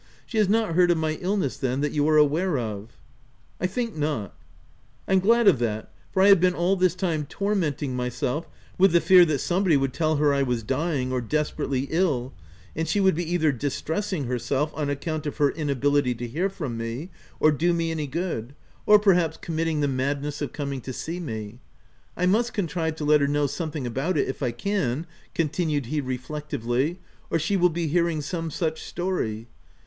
She has not heard of my illness then, that you are aware of?" " I think not." a I'm glad of that, for I have been all this time tormenting myself with the fear that some body would tell her I was dying, or desperately ill, and she would be either distressing herself on account of her inability to hear from me or do me any good, or perhaps committing the OF WILDFELL HALL. 165 madness of coming to see me. I must contrive to let her know something about it, if I can/' continued he reflectively, u or she will be hear ing some such story.